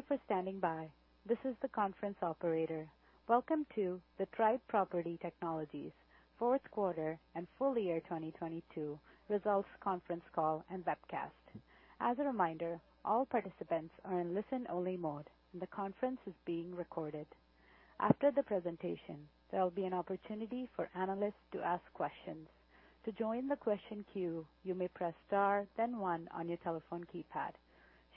Thank you for standing by. This is the conference operator. Welcome to the Tribe Property Technologies Q4 and full year 2022 results conference call and webcast. As a reminder, all participants are in listen-only mode, and the conference is being recorded. After the presentation, there will be an opportunity for analysts to ask questions. To join the question queue, you may press * then 1 on your telephone keypad.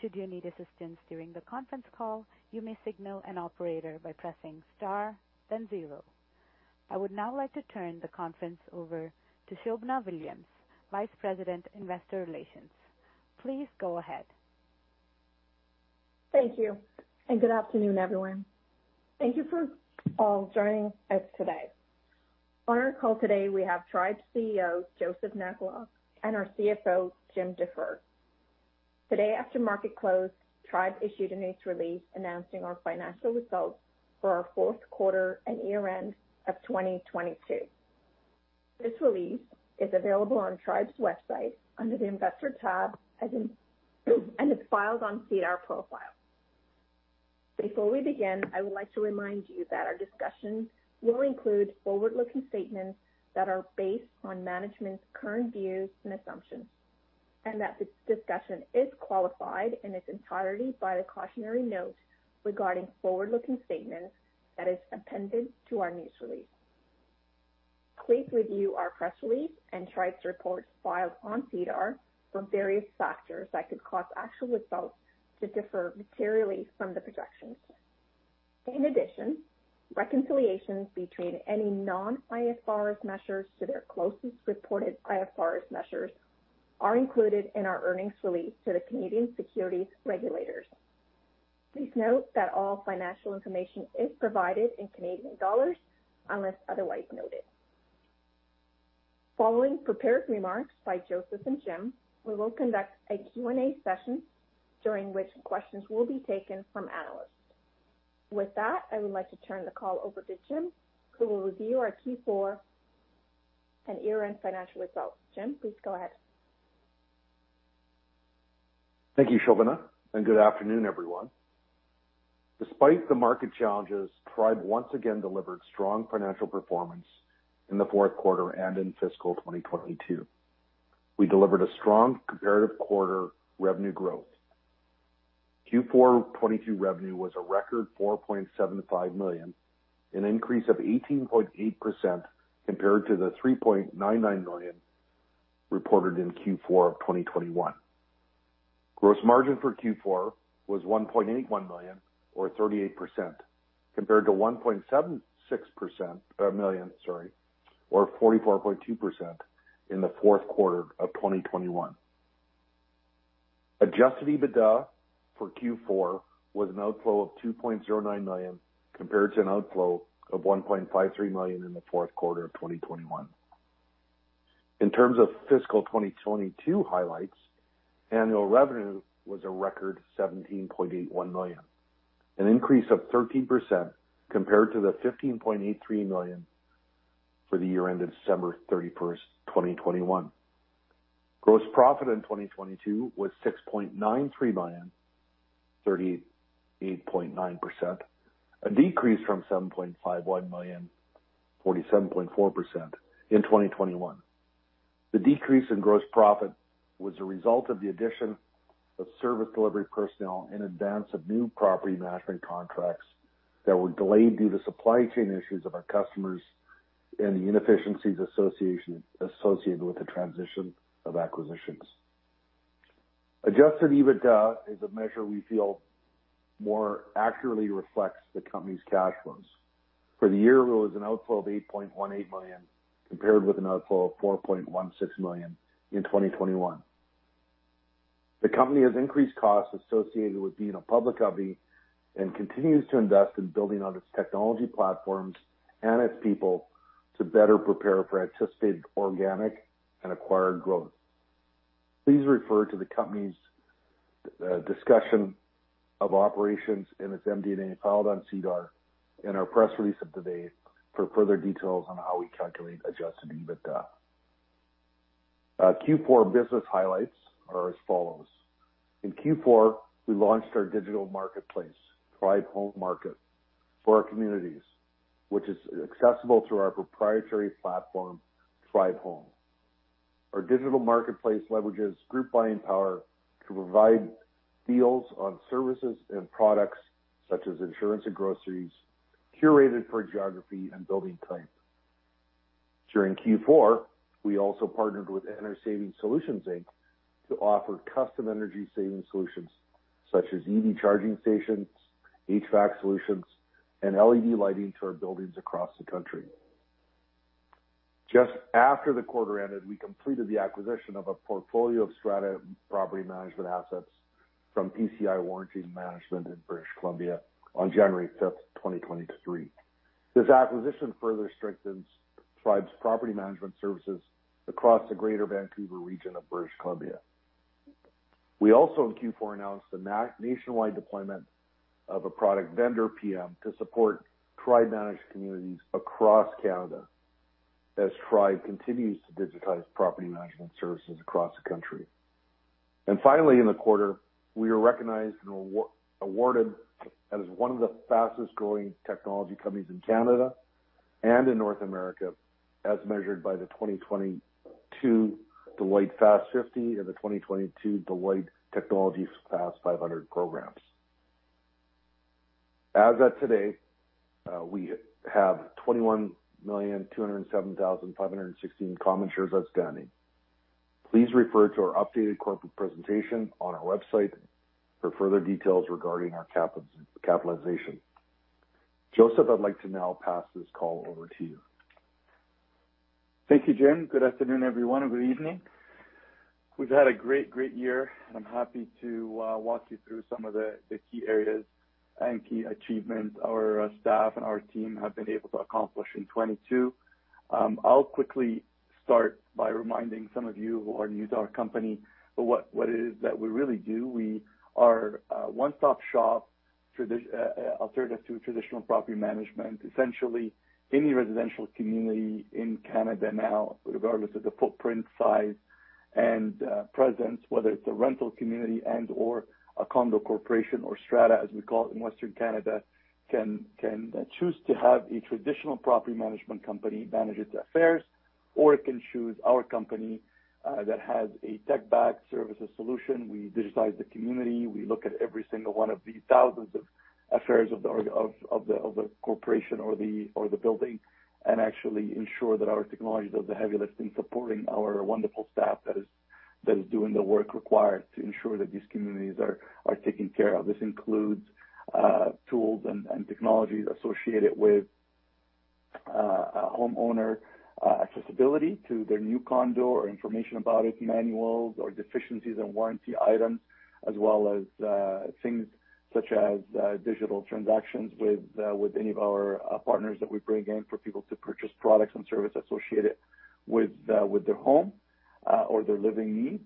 Should you need assistance during the conference call, you may signal an operator by pressing * then 0. I would now like to turn the conference over to Shobana Williams, Vice President, Investor Relations. Please go ahead. Thank you. Good afternoon, everyone. Thank you for all joining us today. On our call today, we have Tribe CEO Joseph Nakhla and our CFO Jim Defer. Today, after market close, Tribe issued a news release announcing our financial results for our Q4 and year-end of 2022. This release is available on Tribe's website under the Investor tab and is filed on SEDAR profile. Before we begin, I would like to remind you that our discussion will include forward-looking statements that are based on management's current views and assumptions. That this discussion is qualified in its entirety by the cautionary note regarding forward-looking statements that is appended to our news release. Please review our press release and Tribe's reports filed on SEDAR for various factors that could cause actual results to differ materially from the projections. In addition, reconciliations between any non-IFRS measures to their closest reported IFRS measures are included in our earnings release to the Canadian Securities Administrators. Please note that all financial information is provided in Canadian dollars unless otherwise noted. Following prepared remarks by Joseph and Jim, we will conduct a Q&A session during which questions will be taken from analysts. With that, I would like to turn the call over to Jim, who will review our Q4 and year-end financial results. Jim, please go ahead. Thank you, Shobana, and good afternoon, everyone. Despite the market challenges, Tribe once again delivered strong financial performance in the Q4 and in fiscal 2022. We delivered a strong comparative quarter revenue growth. Q4 2022 revenue was a record 4.75 million, an increase of 18.8% compared to the 3.99 million reported in Q4 of 2021. Gross margin for Q4 was 1.81 million, or 38%, compared to 1.76 million, sorry, or 44.2% in the Q4 of 2021. Adjusted EBITDA for Q4 was an outflow of 2.09 million compared to an outflow of 1.53 million in the Q4 of 2021. In terms of fiscal 2022 highlights, annual revenue was a record 17.81 million, an increase of 13% compared to the 15.83 million for the year ended December 31st, 2021. Gross profit in 2022 was 6.93 million, 38.9%, a decrease from 7.51 million, 47.4% in 2021. The decrease in gross profit was a result of the addition of service delivery personnel in advance of new property management contracts that were delayed due to supply chain issues of our customers and the inefficiencies associated with the transition of acquisitions. Adjusted EBITDA is a measure we feel more accurately reflects the company's cash flows. For the year, it was an outflow of 8.18 million, compared with an outflow of 4.16 million in 2021. The company has increased costs associated with being a public company and continues to invest in building out its technology platforms and its people to better prepare for anticipated organic and acquired growth. Please refer to the company's discussion of operations in its MD&A filed on SEDAR in our press release of today for further details on how we calculate adjusted EBITDA. Q4 business highlights are as follows. In Q4, we launched our digital marketplace, Tribe Home Market, for our communities, which is accessible through our proprietary platform, Tribe Home. Our digital marketplace leverages group buying power to provide deals on services and products such as insurance and groceries, curated for geography and building type. During Q4, we also partnered with EnerSavings Solutions Inc. To offer custom energy saving solutions such as EV charging stations, HVAC solutions, and LED lighting to our buildings across the country. Just after the quarter ended, we completed the acquisition of a portfolio of strata property management assets from PCI Warranties and Management in British Columbia on January 5, 2023. This acquisition further strengthens Tribe's property management services across the greater Vancouver region of British Columbia. We also in Q4 announced the nationwide deployment of a product VendorPM to support Tribe managed communities across Canada. As Tribe continues to digitize property management services across the country. Finally, in the quarter, we were recognized and awarded as one of the fastest-growing technology companies in Canada and in North America as measured by the 2022 Deloitte Technology Fast 50 and the 2022 Deloitte Technology Fast 500 programs. As of today, we have 21,207,516 common shares outstanding. Please refer to our updated corporate presentation on our website for further details regarding our capitalization. Joseph, I'd like to now pass this call over to you. Thank you, Jim. Good afternoon, everyone, or good evening. We've had a great year, and I'm happy to walk you through some of the key areas and key achievements our staff and our team have been able to accomplish in 2022. I'll quickly start by reminding some of you who are new to our company what it is that we really do. We are a one-stop shop alternative to traditional property management. Essentially any residential community in Canada now, regardless of the footprint size and presence, whether it's a rental community and/or a condo corporation or strata, as we call it in Western Canada, can choose to have a traditional property management company manage its affairs or it can choose our company that has a tech-backed services solution. We digitize the community. We look at every single 1 of the thousands of affairs of the corporation or the building and actually ensure that our technology does the heavy lifting, supporting our wonderful staff that is doing the work required to ensure that these communities are taken care of. This includes tools and technologies associated with a homeowner accessibility to their new condo or information about it, manuals or deficiencies and warranty items as well as things such as digital transactions with any of our partners that we bring in for people to purchase products and services associated with their home or their living needs.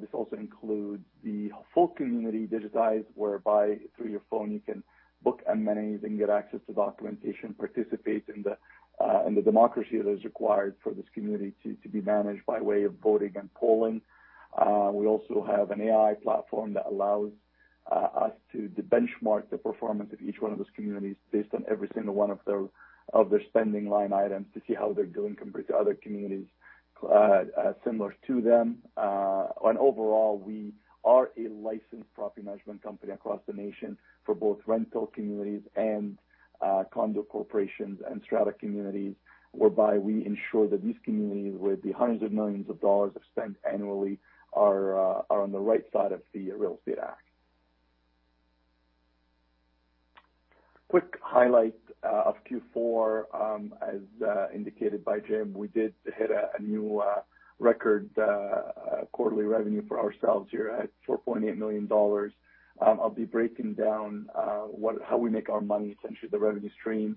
This also includes the full community digitized, whereby through your phone you can book and manage and get access to documentation, participate in the democracy that is required for this community to be managed by way of voting and polling. We also have an AI platform that allows us to benchmark the performance of each one of those communities based on every single one of their spending line items to see how they're doing compared to other communities similar to them. Overall, we are a licensed property management company across the nation for both rental communities and condo corporations and strata communities, whereby we ensure that these communities with the CAD hundreds of millions of dollars spent annually are on the right side of the Real Estate Act. Quick highlight of Q4. As indicated by Jim, we did hit a new record quarterly revenue for ourselves here at 4.8 million dollars. I'll be breaking down how we make our money, essentially the revenue streams.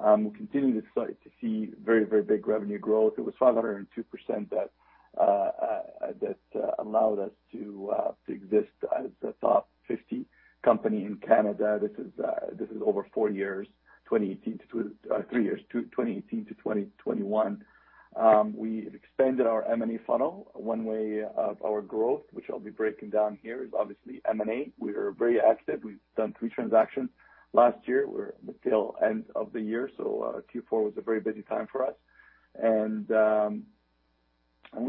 We're continuing to see very, very big revenue growth. It was 502% that allowed us to exist as a top 50 company in Canada. This is over 3 years, 2018 to 2021. We expanded our M&A funnel. 1 way of our growth, which I'll be breaking down here, is obviously M&A. We are very active. We've done 3 transactions last year. Until end of the year, Q4 was a very busy time for us.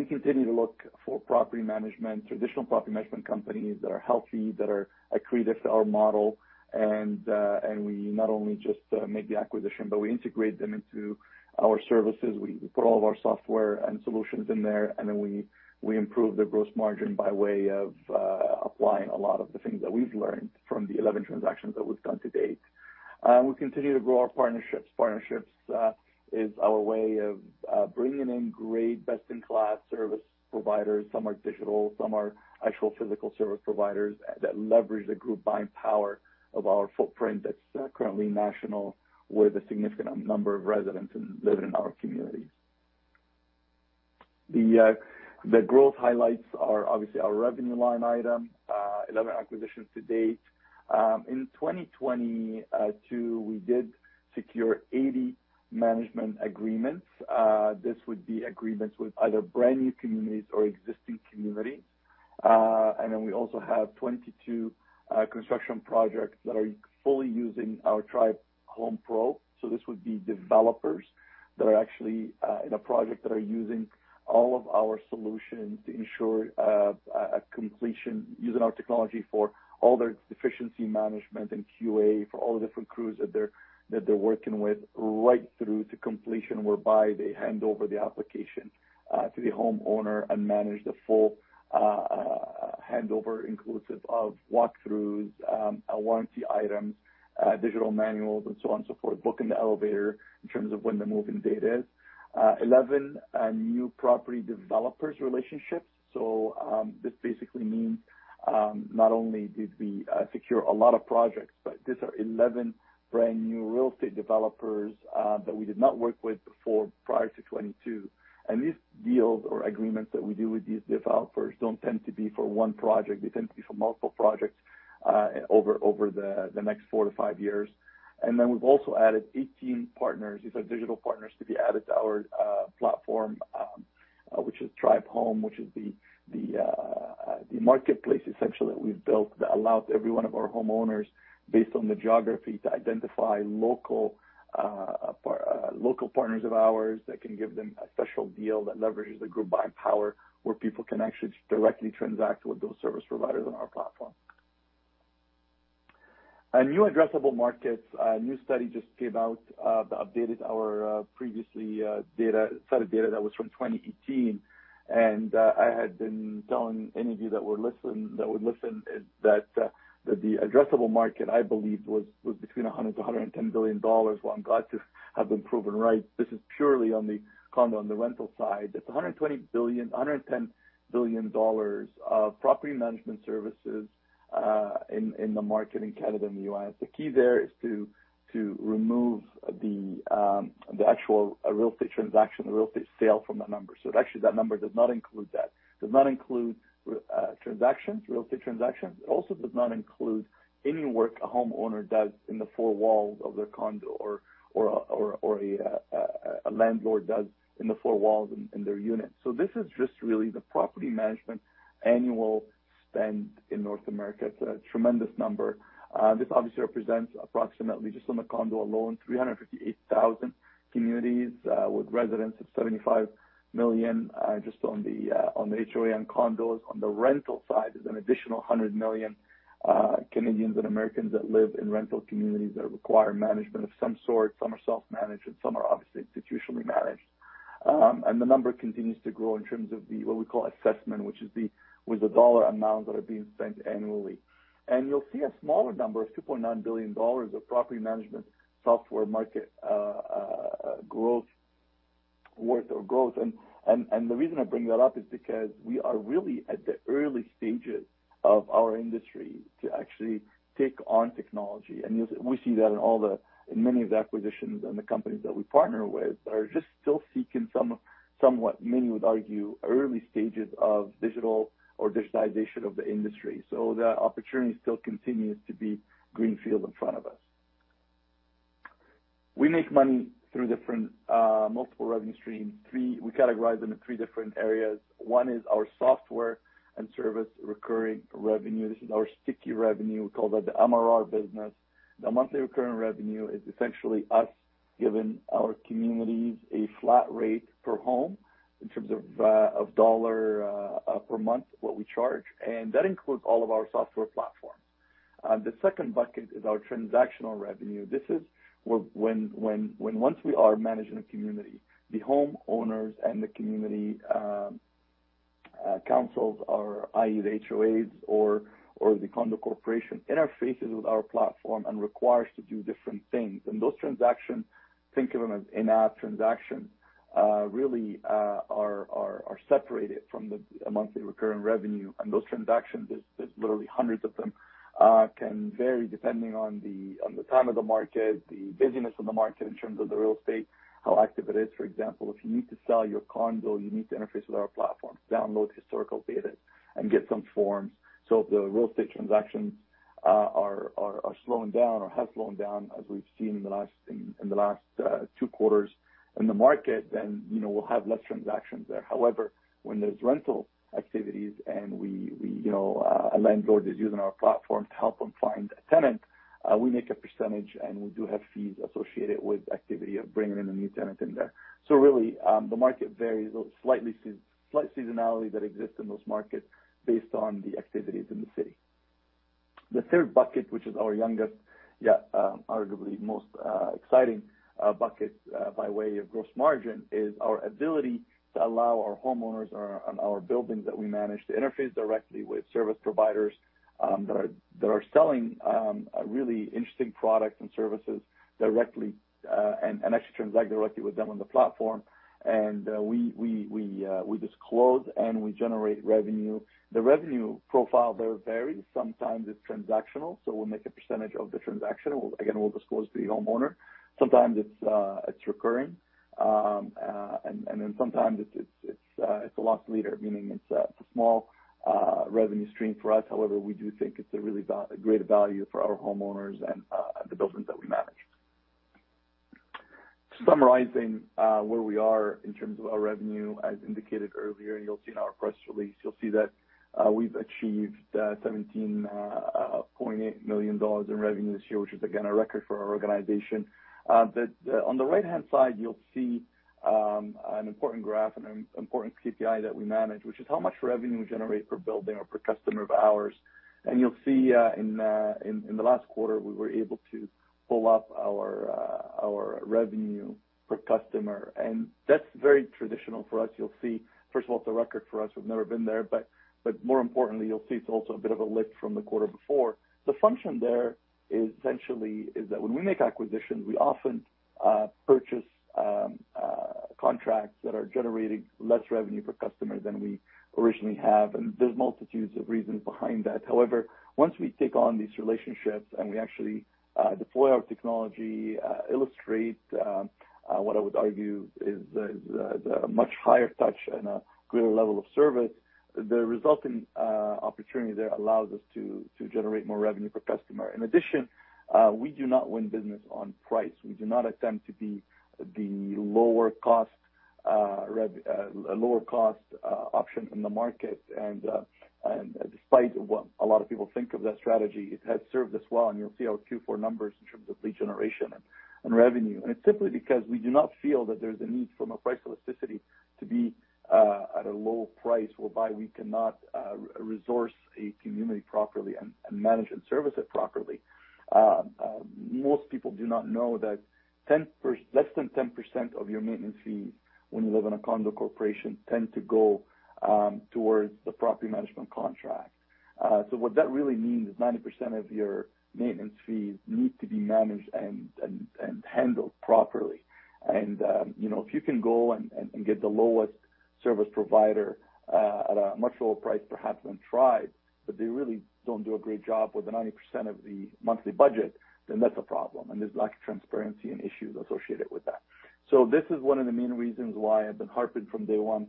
We continue to look for property management, traditional property management companies that are healthy, that are accretive to our model. We not only make the acquisition, but we integrate them into our services. We put all of our software and solutions in there, and then we improve the gross margin by way of applying a lot of the things that we've learned from the 11 transactions that we've done to date. We continue to grow our partnerships. Partnerships is our way of bringing in great best-in-class service providers. Some are digital, some are actual physical service providers that leverage the group buying power of our footprint that's currently national with a significant number of residents living in our communities. The growth highlights are obviously our revenue line item, 11 acquisitions to date. In 2022, we did secure 80 management agreements. This would be agreements with either brand new communities or existing communities. And then we also have 22 construction projects that are fully using our Tribe Home Pro. This would be developers that are actually in a project that are using all of our solutions to ensure a completion, using our technology for all their efficiency management and QA for all the different crews that they're working with right through to completion, whereby they hand over the application to the homeowner and manage the full handover inclusive of walkthroughs, warranty items, digital manuals and so on and so forth. Booking the elevator in terms of when the move-in date is. 11 new property developers relationships. This basically means not only did we secure a lot of projects, but these are 11 brand new real estate developers that we did not work with before prior to 2022. These deals or agreements that we do with these developers don't tend to be for 1 project. They tend to be for multiple projects over the next 4 to 5 years. We've also added 18 partners. These are digital partners to be added to our platform, which is Tribe Home, which is the marketplace essentially that we've built that allows every one of our homeowners, based on the geography, to identify local partners of ours that can give them a special deal that leverages the group buying power, where people can actually directly transact with those service providers on our platform. New addressable markets. A new study just came out that updated our previously set of data that was from 2018. I had been telling any of you that would listen that the addressable market I believed was between 100 billion-110 billion dollars. Well, I'm glad to have been proven right. This is purely on the condo and the rental side. It's 110 billion dollars of property management services in the market in Canada and the US. The key there is to remove the actual real estate transaction, the real estate sale from that number. Actually that number does not include that. Does not include transactions, real estate transactions. It also does not include any work a homeowner does in the 4 walls of their condo or a landlord does in the 4 walls in their unit. This is just really the property management annual spend in North America. It's a tremendous number. This obviously represents approximately, just on the condo alone, 358,000 communities, with residents of 75 million, just on the HOA and condos. On the rental side is an additional 100 million Canadians and Americans that live in rental communities that require management of some sort. Some are self-managed, and some are obviously institutionally managed. The number continues to grow in terms of the what we call assessment, which is with the dollar amounts that are being spent annually. You'll see a smaller number of 2.9 billion dollars of property management software market growth. The reason I bring that up is because we are really at the early stages of our industry to actually take on technology. We see that in many of the acquisitions and the companies that we partner with are just still seeking some, somewhat, many would argue, early stages of digital or digitization of the industry. The opportunity still continues to be greenfield in front of us. We make money through different multiple revenue streams. We categorize them in 3 different areas. 1 is our software and service recurring revenue. This is our sticky revenue. We call that the MRR business. The monthly recurring revenue is essentially us giving our communities a flat rate per home in terms of CAD per month, what we charge, and that includes all of our software platforms. The 2nd bucket is our transactional revenue. This is once we are managing a community, the homeowners and the community councils are, i.e., the HOAs or the condo corporation interfaces with our platform and requires to do different things. Those transactions, think of them as in-app transactions, really are separated from the monthly recurring revenue. Those transactions, there's literally hundreds of them, can vary depending on the time of the market, the busyness of the market in terms of the real estate, how active it is. For example, if you need to sell your condo, you need to interface with our platform, download historical data and get some forms. If the real estate transactions are slowing down or have slowed down as we've seen in the last 2 quarters in the market, then, you know, we'll have less transactions there. However, when there's rental activities and we, you know, a landlord is using our platform to help them find a tenant, we make a percentage, and we do have fees associated with activity of bringing in a new tenant in there. Really, the market varies slightly slight seasonality that exists in those markets based on the activities in the city. The 3rd bucket, which is our youngest, yet, arguably most exciting bucket, by way of gross margin, is our ability to allow our homeowners or, and our buildings that we manage to interface directly with service providers that are selling a really interesting product and services directly and actually transact directly with them on the platform. We disclose and we generate revenue. The revenue profile there varies. Sometimes it's transactional, so we'll make a percentage of the transaction. Again, we'll disclose to the homeowner. Sometimes it's recurring. Sometimes it's a loss leader, meaning it's a small revenue stream for us. However, we do think it's a really great value for our homeowners and the buildings that we manage. Summarizing where we are in terms of our revenue, as indicated earlier, and you'll see in our press release, you'll see that we've achieved 17.8 million dollars in revenue this year, which is again, a record for our organization. On the right-hand side, you'll see an important graph and an important KPI that we manage, which is how much revenue we generate per building or per customer of ours. You'll see in the last quarter, we were able to pull up our revenue per customer. That's very traditional for us. You'll see, first of all, it's a record for us. We've never been there. More importantly, you'll see it's also a bit of a lift from the quarter before. The function there is essentially is that when we make acquisitions, we often purchase Contracts that are generating less revenue per customer than we originally have. There's multitudes of reasons behind that. However, once we take on these relationships and we actually deploy our technology, illustrate what I would argue is the much higher touch and a greater level of service, the resulting opportunity there allows us to generate more revenue per customer. In addition, we do not win business on price. We do not attempt to be the lower cost option in the market. Despite what a lot of people think of that strategy, it has served us well, and you'll see our Q4 numbers in terms of lead generation and revenue. It's simply because we do not feel that there's a need from a price elasticity to be at a low price, whereby we cannot resource a community properly and manage and service it properly. Most people do not know that less than 10% of your maintenance fees when you live in a condo corporation tend to go towards the property management contract. What that really means is 90% of your maintenance fees need to be managed and handled properly. You know, if you can go and get the lowest service provider at a much lower price perhaps than Tribe, but they really don't do a great job with the 90% of the monthly budget, then that's a problem. There's lack of transparency and issues associated with that. This is one of the main reasons why I've been harping from day 1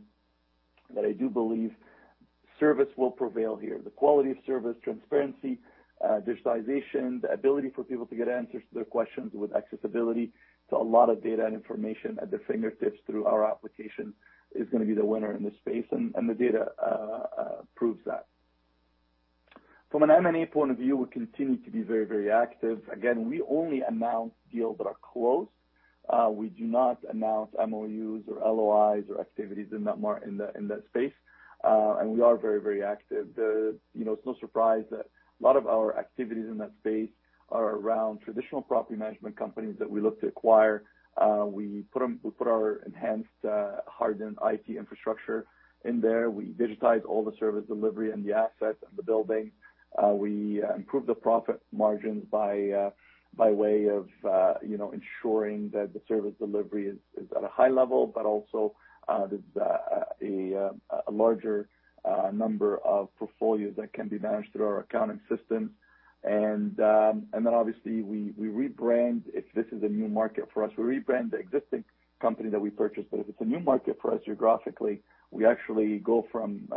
that I do believe service will prevail here. The quality of service, transparency, digitization, the ability for people to get answers to their questions with accessibility to a lot of data and information at their fingertips through our application is gonna be the winner in this space, and the data proves that. From an M&A point of view, we continue to be very, very active. Again, we only announce deals that are closed. We do not announce MOUs or LOIs or activities in that, in that space. We are very active. You know, it's no surprise that a lot of our activities in that space are around traditional property management companies that we look to acquire. We put our enhanced, hardened IT infrastructure in there. We digitize all the service delivery and the assets and the building. We improve the profit margins by way of, you know, ensuring that the service delivery is at a high level, but also, there's a larger, number of portfolios that can be managed through our accounting system. Then obviously we rebrand if this is a new market for us. We rebrand the existing company that we purchased. If it's a new market for us geographically, we actually go from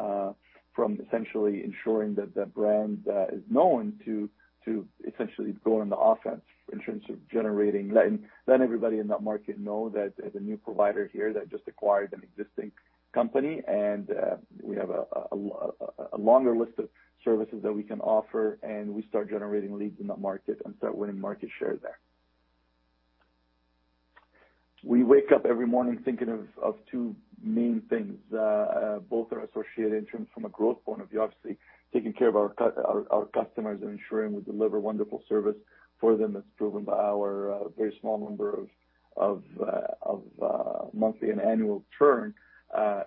essentially ensuring that that brand is known to essentially go on the offense in terms of letting everybody in that market know that there's a new provider here that just acquired an existing company. We have a longer list of services that we can offer, and we start generating leads in that market and start winning market share there. We wake up every morning thinking of 2 main things. Both are associated in terms from a growth point of view. Obviously, taking care of our customers and ensuring we deliver wonderful service for them. That's proven by our very small number of monthly and annual churn.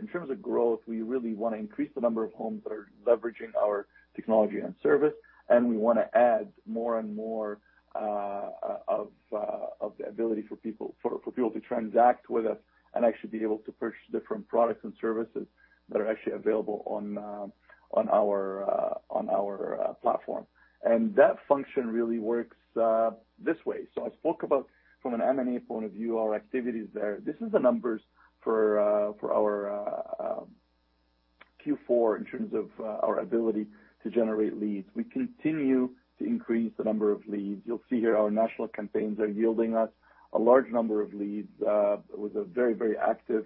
In terms of growth, we really wanna increase the number of homes that are leveraging our technology and service, and we wanna add more and more of the ability for people to transact with us and actually be able to purchase different products and services that are actually available on our platform. That function really works this way. I spoke about from an M&A point of view, our activities there. This is the numbers for our Q4 in terms of our ability to generate leads. We continue to increase the number of leads. You'll see here our national campaigns are yielding us a large number of leads, with a very, very active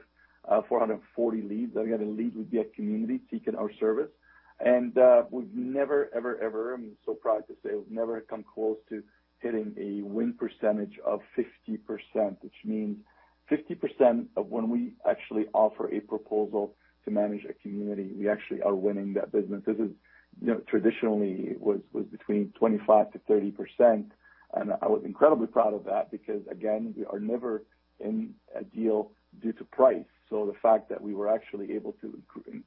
440 leads that we have in leads with via community seeking our service. We've never ever, I'm so proud to say, we've never come close to hitting a win percentage of 50%, which means 50% of when we actually offer a proposal to manage a community, we actually are winning that business. This is, you know, traditionally was between 25%-30%, and I was incredibly proud of that because again, we are never in a deal due to price. The fact that we were actually able to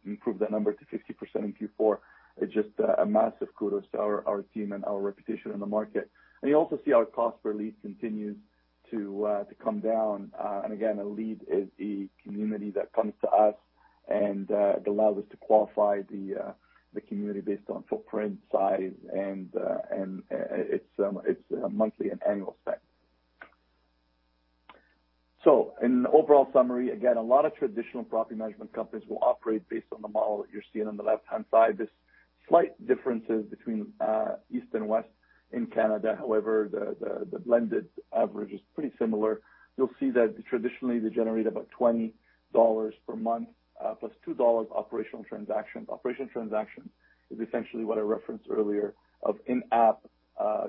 improve that number to 50% in Q4 is just a massive kudos to our team and our reputation in the market. You also see our cost per lead continues to come down. Again, a lead is a community that comes to us and it allows us to qualify the community based on footprint, size, and it's monthly and annual spend. In overall summary, again, a lot of traditional property management companies will operate based on the model that you're seeing on the left-hand side. There's slight differences between East and West in Canada. However, the blended average is pretty similar. You'll see that traditionally they generate about 20 dollars per month plus 2 dollars operational transaction. Operational transaction is essentially what I referenced earlier of in-app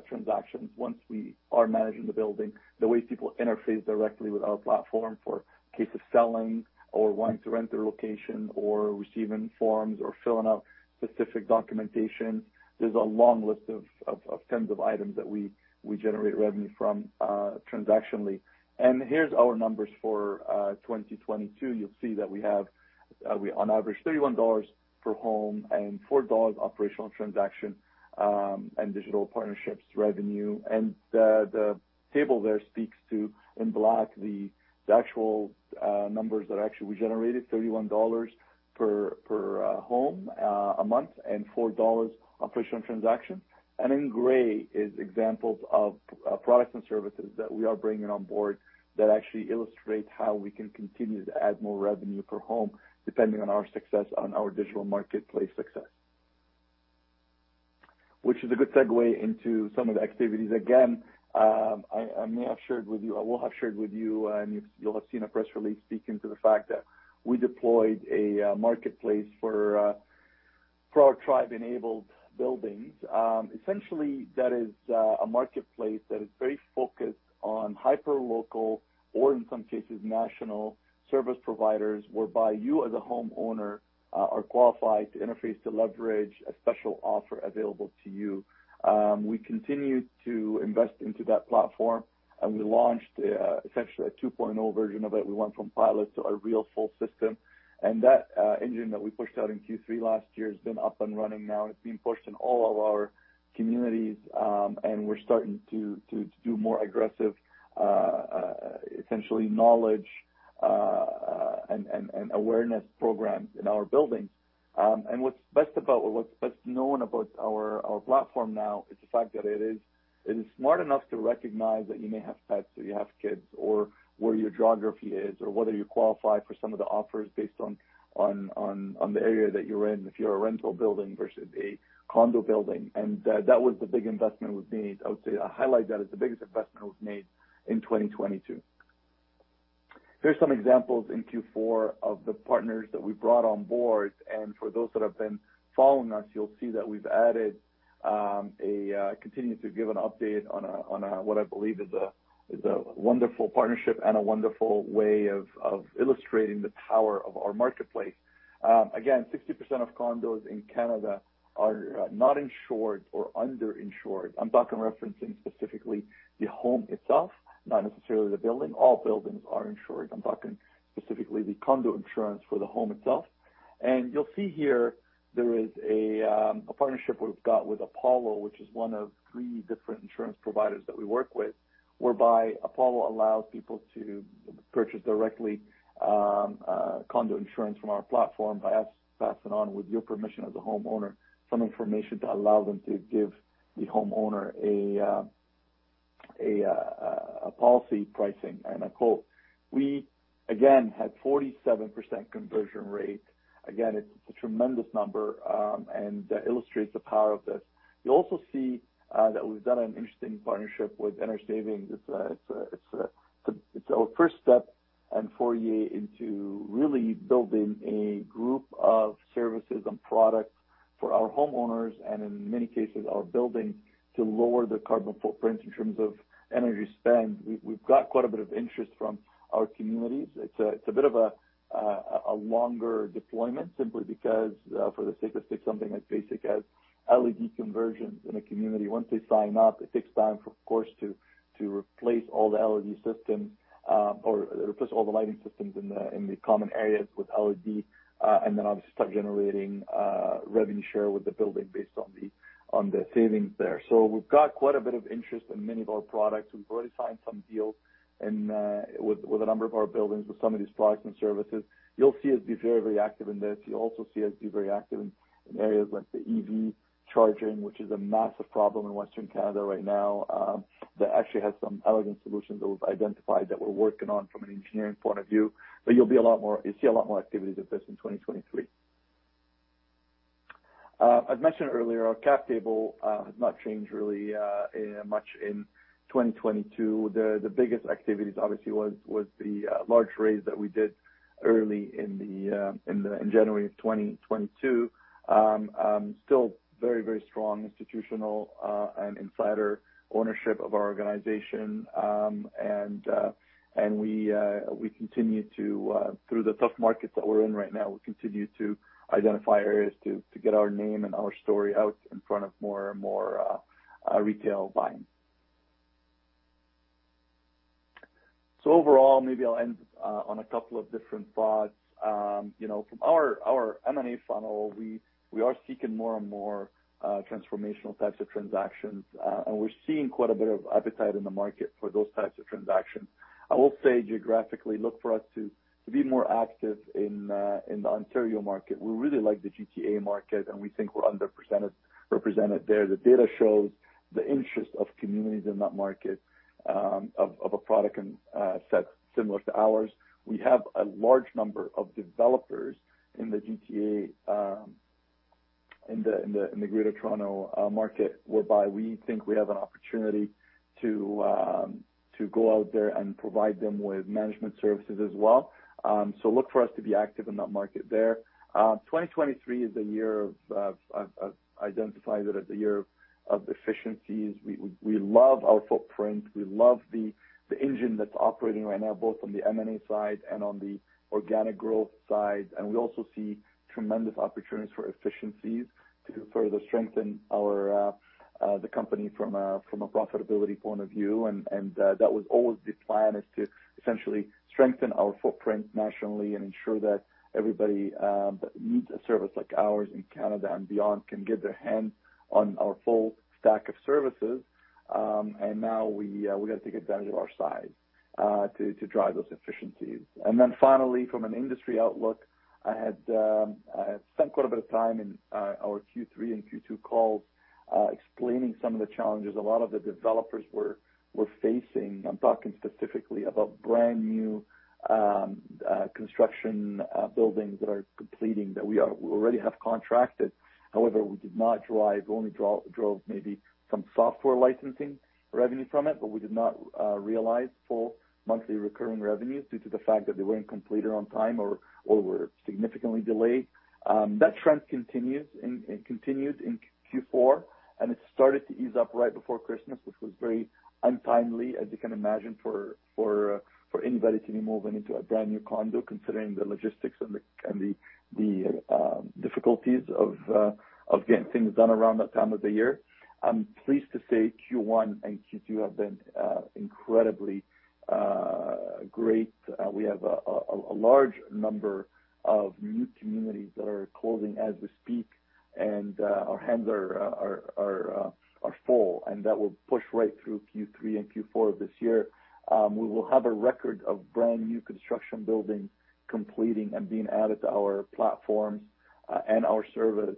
transactions. Once we are managing the building, the way people interface directly with our platform for case of selling or wanting to rent their location or receiving forms or filling out specific documentation, there's a long list of 10's of items that we generate revenue from transactionally. Here's our numbers for 2022. You'll see that we have we on average 31 dollars per home and 4 dollars operational transaction and digital partnerships revenue. The table there speaks to in black the actual numbers that actually we generated, 31 dollars per home a month and 4 dollars a push on transaction. In gray is examples of products and services that we are bringing on board that actually illustrate how we can continue to add more revenue per home depending on our digital marketplace success. Which is a good segue into some of the activities. Again, I will have shared with you, and you'll have seen a press release speaking to the fact that we deployed a marketplace for our Tribe-enabled buildings. Essentially, that is a marketplace that is very focused on hyperlocal or in some cases, national service providers, whereby you as a homeowner are qualified to interface to leverage a special offer available to you. We continue to invest into that platform, and we launched essentially a 2.0 version of it. We went from pilot to a real full system. That engine that we pushed out in Q3 last year has been up and running now. It's being pushed in all of our communities, and we're starting to do more aggressive, essentially knowledge, and awareness programs in our buildings. What's best about or what's best known about our platform now is the fact that it is smart enough to recognize that you may have pets or you have kids or where your geography is or whether you qualify for some of the offers based on the area that you're in, if you're a rental building versus a condo building. That was the big investment was made. I would say I highlight that as the biggest investment was made in 2022. Here's some examples in Q4 of the partners that we brought on board. For those that have been following us, you'll see that we've added, continue to give an update on a, on a, what I believe is a, is a wonderful partnership and a wonderful way of illustrating the power of our marketplace. Again, 60% of condos in Canada are not insured or under-insured. I'm talking, referencing specifically the home itself, not necessarily the building. All buildings are insured. I'm talking specifically the condo insurance for the home itself. You'll see here there is a partnership we've got with APOLLO, which is 1 of 3 different insurance providers that we work with, whereby APOLLO allows people to purchase directly condo insurance from our platform by us passing on, with your permission as a homeowner, some information to allow them to give the homeowner a policy pricing and a quote. We again had 47% conversion rate. It's a tremendous number and illustrates the power of this. You also see that we've done an interesting partnership with EnerSavings. It's our 1st step and foray into really building a group of services and products for our homeowners and in many cases our building to lower the carbon footprint in terms of energy spend. We've got quite a bit of interest from our communities. It's a bit of a longer deployment simply because for the sake of something as basic as LED conversions in a community, once they sign up, it takes time for, of course, to replace all the LED systems or replace all the lighting systems in the common areas with LED and then obviously start generating revenue share with the building based on the savings there. We've got quite a bit of interest in many of our products. We've already signed some deals with a number of our buildings with some of these products and services. You'll see us be very, very active in this. You'll also see us be very active in areas like the EV charging, which is a massive problem in Western Canada right now, that actually has some elegant solutions that we've identified, that we're working on from an engineering point of view. You'll see a lot more activities of this in 2023. As mentioned earlier, our cap table has not changed really much in 2022. The biggest activities obviously was the large raise that we did early in January of 2022. Still very strong institutional and insider ownership of our organization. We continue through the tough markets that we're in right now, we continue to identify areas to get our name and our story out in front of more and more retail buying. Overall, maybe I'll end on a couple of different thoughts. You know, from our M&A funnel, we are seeking more and more transformational types of transactions, and we're seeing quite a bit of appetite in the market for those types of transactions. I will say geographically look for us to be more active in the Ontario market. We really like the GTA market, and we think we're underrepresented there. The data shows the interest of communities in that market, of a product and set similar to ours. We have a large number of developers in the GTA, in the Greater Toronto market, whereby we think we have an opportunity to go out there and provide them with management services as well. Look for us to be active in that market there. 2023 identify it as the year of efficiencies. We love our footprint. We love the engine that's operating right now, both on the M&A side and on the organic growth side. We also see tremendous opportunities for efficiencies to further strengthen our the company from a profitability point of view. That was always the plan, is to essentially strengthen our footprint nationally and ensure that everybody that needs a service like ours in Canada and beyond can get their hand on our full stack of services. Now we gotta take advantage of our size to drive those efficiencies. Finally, from an industry outlook, I had spent quite a bit of time in our Q3 and Q2 calls explaining some of the challenges a lot of the developers were facing. I'm talking specifically about brand new construction buildings that are completing that we already have contracted. We did not drive, only drove maybe some software licensing revenue from it, but we did not realize full monthly recurring revenues due to the fact that they weren't completed on time or were significantly delayed. That trend continues and continued in Q4, and it started to ease up right before Christmas, which was very untimely, as you can imagine, for anybody to be moving into a brand new condo, considering the logistics and the difficulties of getting things done around that time of the year. I'm pleased to say Q1 and Q2 have been incredibly great. We have a large number of new communities that are closing as we speak, and our hands are full, and that will push right through Q3 and Q4 of this year. We will have a record of brand new construction buildings completing and being added to our platforms and our service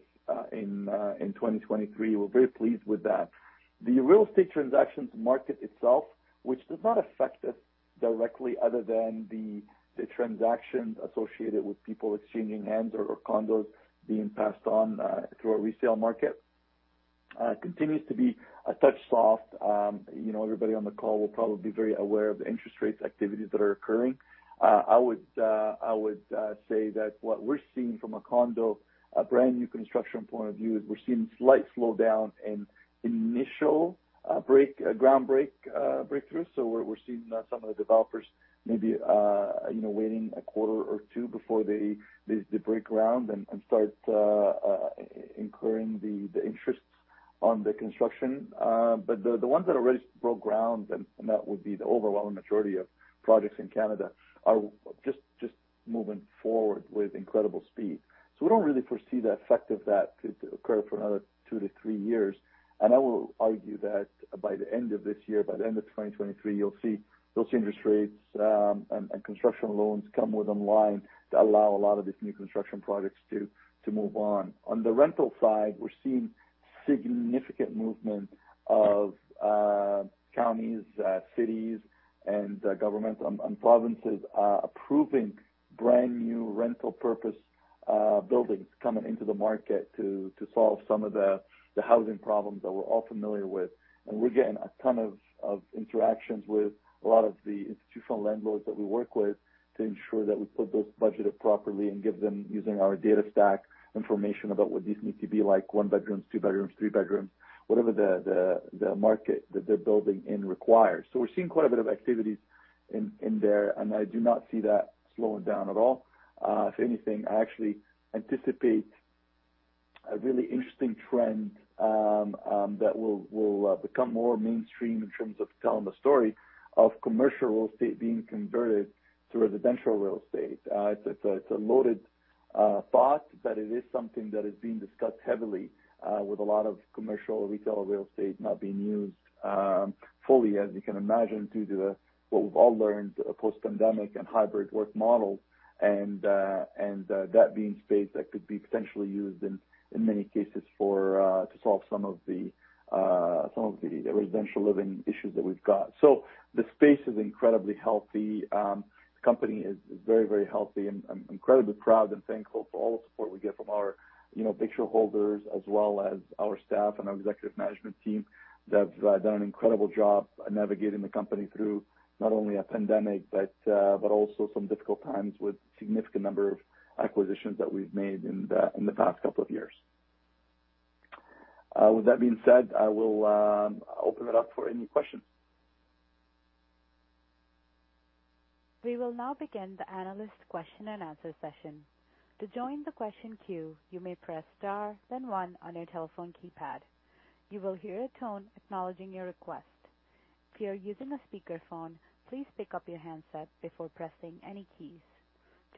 in 2023. We're very pleased with that. The real estate transactions market itself, which does not affect us directly other than the transactions associated with people exchanging hands or condos being passed on through our resale market, continues to be a touch soft. You know, everybody on the call will probably be very aware of the interest rates activities that are occurring. I would say that what we're seeing from a condo, a brand new construction point of view, is we're seeing slight slowdown in initial ground break breakthrough. We're seeing some of the developers maybe, you know, waiting a quarter or 2 before they break ground and start incurring the interest on the construction. But the ones that already broke ground, and that would be the overwhelming majority of projects in Canada, are just moving forward with incredible speed. We don't really foresee the effect of that to occur for another 2 to 3 years. I will argue that by the end of this year, by the end of 2023, you'll see those interest rates, and construction loans come more than line to allow a lot of these new construction projects to move on. On the rental side, we're seeing significant movement of counties, cities and governments and provinces approving brand new rental purpose buildings coming into the market to solve some of the housing problems that we're all familiar with. We're getting a ton of interactions with a lot of the institutional landlords that we work with to ensure that we put those budgeted properly and give them, using our data stack, information about what these need to be like 1 bedrooms, 2 bedrooms, 3 bedrooms, whatever the market that they're building in requires. We're seeing quite a bit of activities in there, and I do not see that slowing down at all. If anything, I actually anticipate a really interesting trend that will become more mainstream in terms of telling the story of commercial real estate being converted to residential real estate. It's a loaded thought, but it is something that is being discussed heavily with a lot of commercial retail real estate not being used fully, as you can imagine, due to what we've all learned, post-pandemic and hybrid work models, and that being space that could be potentially used in many cases to solve some of the residential living issues that we've got. The space is incredibly healthy. The company is very healthy. I'm incredibly proud and thankful for all the support we get from our, you know, big shareholders as well as our staff and our executive management team that have done an incredible job navigating the company through not only a pandemic, but also some difficult times with significant number of acquisitions that we've made in the past couple of years. With that being said, I will open it up for any questions. We will now begin the analyst question and answer session. To join the question queue, you may press *, then 1 on your telephone keypad. You will hear a tone acknowledging your request. If you are using a speakerphone, please pick up your handset before pressing any keys.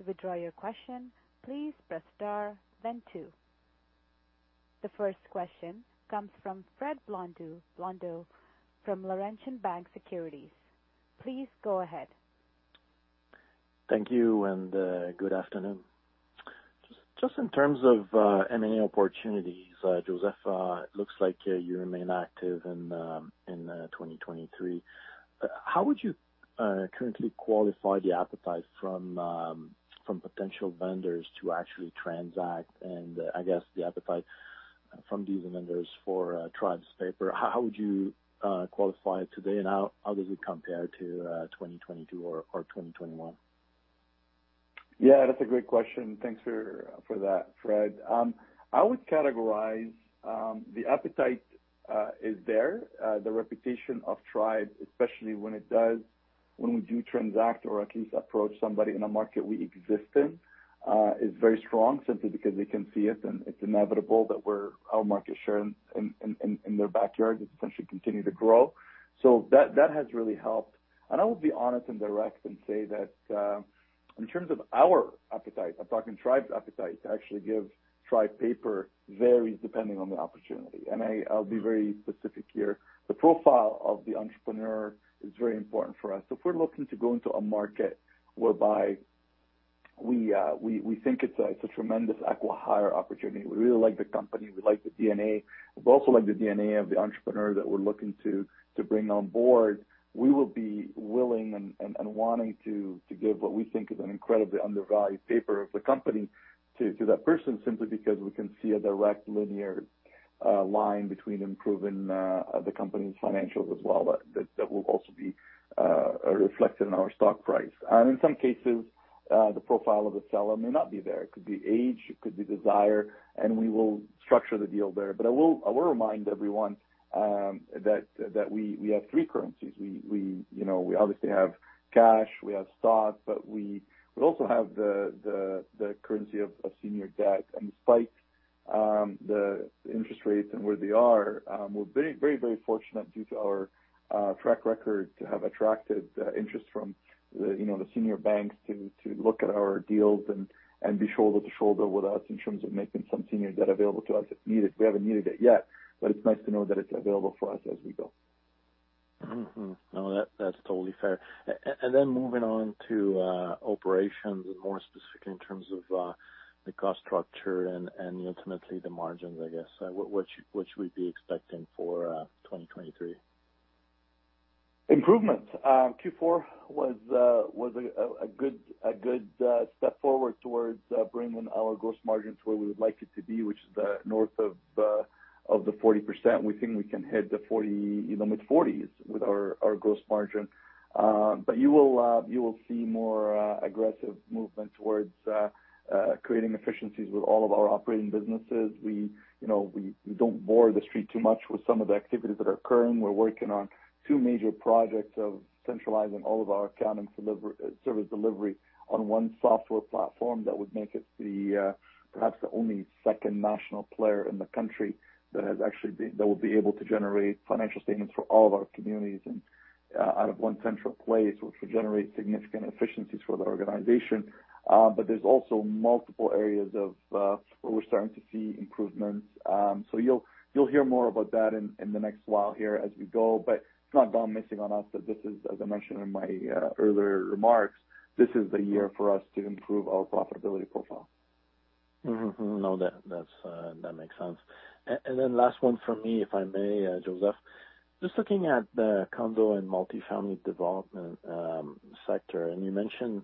To withdraw your question, please press * then 2. The 1st question comes from Frédéric Blondeau from Laurentian Bank Securities. Please go ahead. Thank you, and good afternoon. Just in terms of M&A opportunities, Joseph, it looks like you remain active in 2023. How would you currently qualify the appetite from potential vendors to actually transact, and I guess the appetite from these vendors for Tribe's paper? How would you qualify it today, and how does it compare to 2022 or 2021? Yeah, that's a great question. Thanks for that, Fred. I would categorize the appetite is there. The reputation of Tribe, especially when we do transact or at least approach somebody in a market we exist in, is very strong simply because they can see it and it's inevitable that we're our market share in their backyard is essentially continue to grow. That has really helped. I will be honest and direct and say that, in terms of our appetite, I'm talking Tribe's appetite to actually give Tribe paper varies depending on the opportunity. I'll be very specific here. The profile of the entrepreneur is very important for us. If we're looking to go into a market whereby we think it's a tremendous acqui-hire opportunity, we really like the company, we like the DNA, we also like the DNA of the entrepreneur that we're looking to bring on board, we will be willing and wanting to give what we think is an incredibly undervalued paper of the company to that person simply because we can see a direct linear line between improving the company's financials as well that will also be reflected in our stock price. And in some cases, the profile of the seller may not be there. It could be age, it could be desire, and we will structure the deal there. But I will remind everyone that we have 3 currencies. We, you know, we obviously have cash, we have stock, but we also have the currency of senior debt. Despite the interest rates and where they are, we're very fortunate due to our track record to have attracted interest from the, you know, the senior banks to look at our deals and be shoulder to shoulder with us in terms of making some senior debt available to us if needed. We haven't needed it yet, but it's nice to know that it's available for us as we go. Mm-hmm. No, that's totally fair. And then moving on to operations and more specific in terms of the cost structure and ultimately the margins, I guess. What should we be expecting for 2023? Improvements. Q4 was a good step forward towards bringing our gross margins where we would like it to be, which is north of the 40%. We think we can hit the 40, even mid-40s with our gross margin. You will see more aggressive movement towards creating efficiencies with all of our operating businesses. We, you know, we don't bore the street too much with some of the activities that are occurring. We're working on 2 major projects of centralizing all of our accounting service delivery on 1 software platform that would make us the perhaps the only 2nd national player in the country that will be able to generate financial statements for all of our communities and out of 1 central place, which will generate significant efficiencies for the organization. There's also multiple areas of where we're starting to see improvements. You'll hear more about that in the next while here as we go. It's not gone missing on us that this is, as I mentioned in my earlier remarks, this is the year for us to improve our profitability profile. Mm-hmm. No, that's, that makes sense. And then last 1 from me, if I may, Joseph. Just looking at the condo and multifamily development, sector, and you mentioned,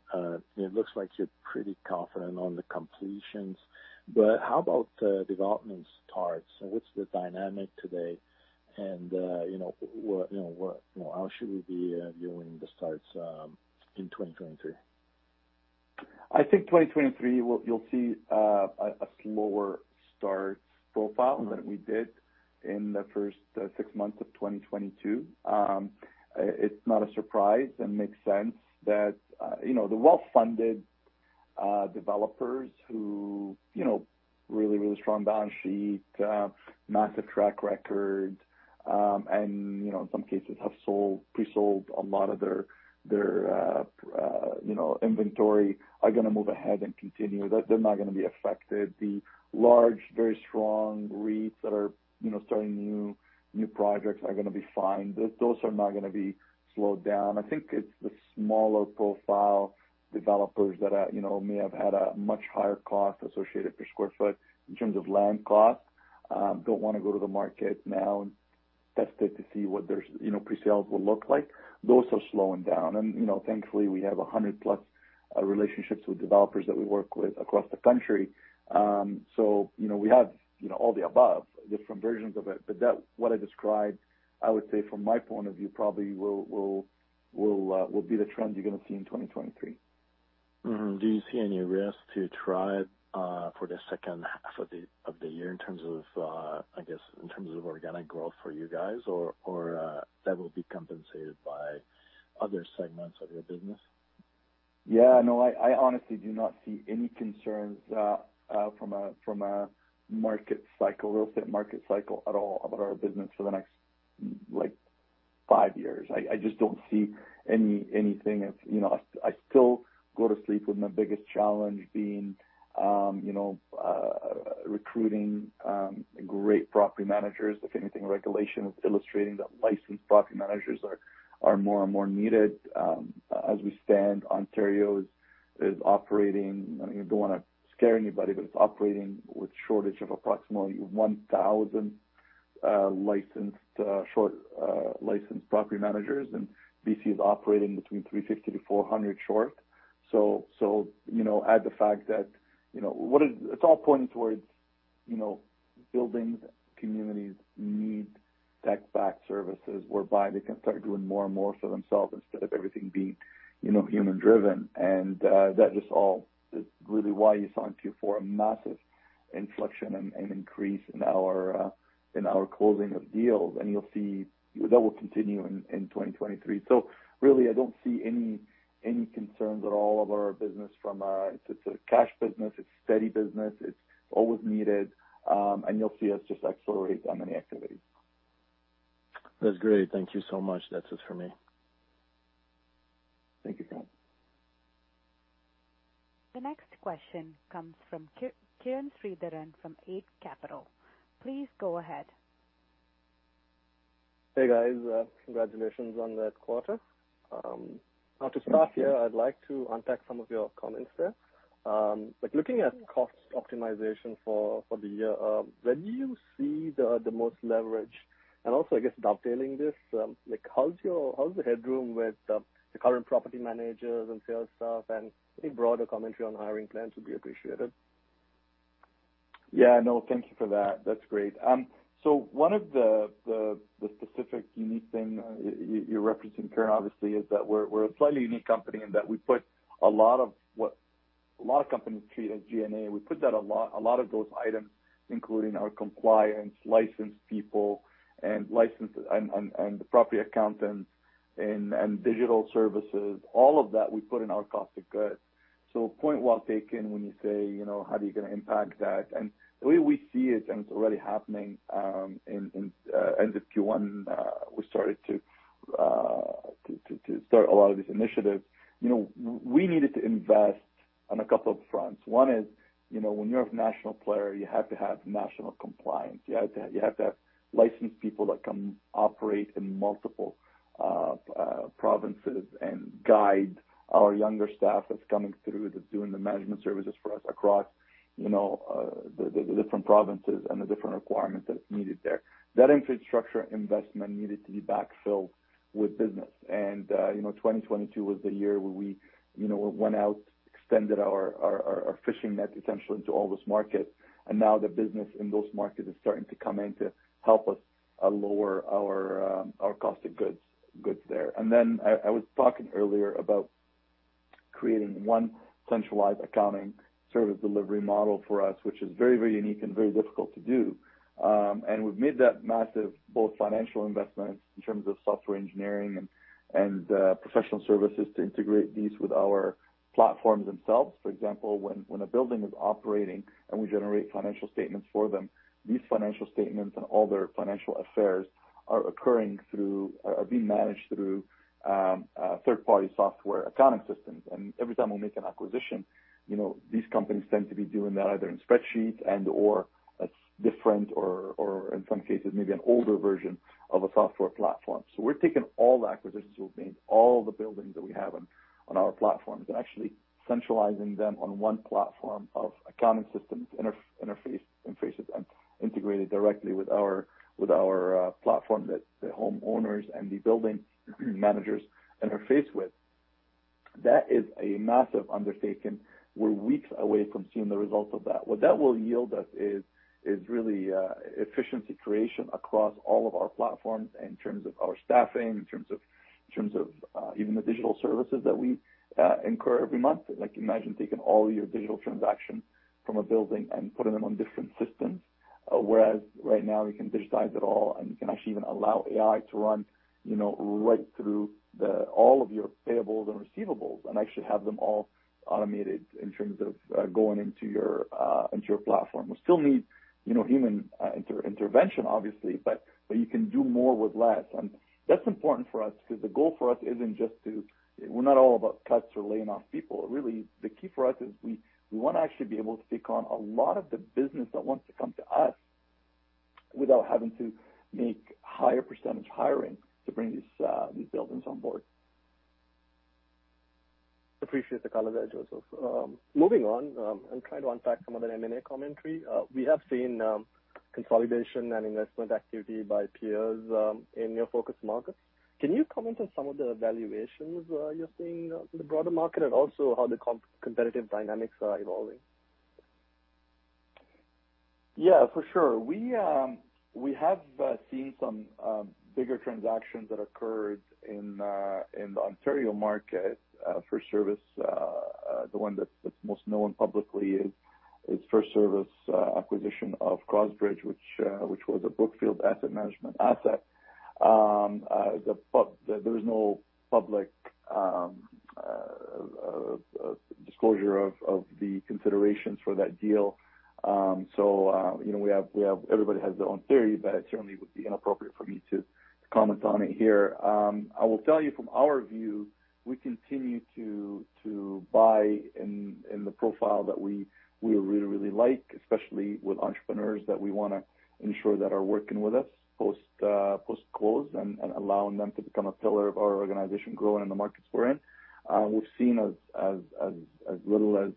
it looks like you're pretty confident on the completions, but how about development starts? What's the dynamic today? you know, what, you know, how should we be viewing the starts in 2023? I think 2023, you'll see a slower start profile than we did in the first 6 months of 2022. It's not a surprise and makes sense that, you know, the well-funded developers who, you know, really strong balance sheet, massive track record, and, you know, in some cases have sold, pre-sold a lot of their, you know, inventory are gonna move ahead and continue. They're not gonna be affected. The large, very strong REITs that are, you know, starting new projects are gonna be fine. Those are not gonna be slowed down. I think it's the smaller profile developers that are, you know, may have had a much higher cost associated per square foot in terms of land costs, don't wanna go to the market now and test it to see what their, you know, pre-sales will look like. Those are slowing down. You know, thankfully, we have 100 plus relationships with developers that we work with across the country. So, you know, we have, you know, all the above, different versions of it. What I described, I would say from my point of view, probably will be the trend you're gonna see in 2023. Do you see any risk to Tribe for the H2 of the year in terms of, I guess, in terms of organic growth for you guys or that will be compensated by other segments of your business? Yeah, no, I honestly do not see any concerns from a market cycle, real estate market cycle at all about our business for the next, like, 5 years. I just don't see anything. It's, you know, I still go to sleep with my biggest challenge being, you know, recruiting great property managers. If anything, regulation is illustrating that licensed property managers are more and more needed. As we stand, Ontario is operating, I don't wanna scare anybody, but it's operating with shortage of approximately 1,000 licensed property managers, and BC is operating between 350 to 400 short. So, you know, add the fact that, you know, it's all pointing towards, you know, buildings, communities need tech-backed services whereby they can start doing more and more for themselves instead of everything being, you know, human driven. That is all is really why you saw in Q4 a massive inflection and increase in our closing of deals. You'll see that will continue in 2023. Really, I don't see any concerns at all of our business from, it's a cash business, it's steady business, it's always needed, and you'll see us just accelerate on many activities. That's great. Thank you so much. That's it for me. The next question comes from Kiran Sritharan from Eight Capital. Please go ahead. Hey guys, congratulations on that quarter. Now to start here, I'd like to unpack some of your comments there. Looking at cost optimization for the year, where do you see the most leverage? Also, I guess dovetailing this, like how's the headroom with the current property managers and sales staff, and any broader commentary on hiring plans would be appreciated. Yeah, no, thank you for that. That's great. So one of the specific unique thing you're referencing Kiran obviously, is that we're a slightly unique company in that we put a lot of what a lot of companies treat as G&A. We put that a lot of those items, including our compliance, licensed people and the property accountants and digital services, all of that we put in our cost of goods. Point well taken when you say, you know, how are you gonna impact that? The way we see it, and it's already happening in end of Q1, we started to start a lot of these initiatives. You know, we needed to invest on a couple of fronts. 1 is, you know, when you're a national player, you have to have national compliance. You have to have licensed people that can operate in multiple provinces and guide our younger staff that's coming through, that's doing the management services for us across, you know, the different provinces and the different requirements that's needed there. That infrastructure investment needed to be backfilled with business. You know, 2022 was the year where we, you know, went out, extended our fishing net essentially into all those markets. Now the business in those markets is starting to come in to help us lower our cost of goods there. I was talking earlier about creating 1 centralized accounting service delivery model for us, which is very, very unique and very difficult to do. We've made that massive, both financial investments in terms of software engineering and professional services to integrate these with our platforms themselves. For example, when a building is operating and we generate financial statements for them, these financial statements and all their financial affairs are occurring through or are being managed through third-party software accounting systems. Every time we make an acquisition, you know, these companies tend to be doing that either in spreadsheets and/or a different or in some cases maybe an older version of a software platform. We're taking all the acquisitions we've made, all the buildings that we have on our platforms, and actually centralizing them on 1 platform of accounting systems, interfaces, and integrated directly with our platform that the homeowners and the building managers interface with. That is a massive undertaking. We're weeks away from seeing the results of that. What that will yield us is really efficiency creation across all of our platforms in terms of our staffing, in terms of even the digital services that we incur every month. Like imagine taking all your digital transactions from a building and putting them on different systems. Whereas right now we can digitize it all and can actually even allow AI to run, you know, right through all of your payables and receivables and actually have them all automated in terms of going into your platform. We still need, you know, human intervention obviously, but you can do more with less. That's important for us because the goal for us isn't just to. We're not all about cuts or laying off people. Really, the key for us is we wanna actually be able to take on a lot of the business that wants to come to us without having to make higher percentage hiring to bring these buildings on board. Appreciate the color there, Joseph. Moving on, trying to unpack some of the M&A commentary. We have seen consolidation and investment activity by peers in your focus markets. Can you comment on some of the valuations you're seeing in the broader market and also how the competitive dynamics are evolving? For sure. We have seen some bigger transactions that occurred in the Ontario market, FirstService, the one that's most known publicly is FirstService acquisition of Crossbridge, which was a Brookfield Asset Management asset. There is no public disclosure of the considerations for that deal. You know, we have everybody has their own theory, but it certainly would be inappropriate for me to comment on it here. I will tell you from our view, we continue to buy in the profile that we really, really like, especially with entrepreneurs that we wanna ensure that are working with us post-close and allowing them to become a pillar of our organization growing in the markets we're in. We've seen as little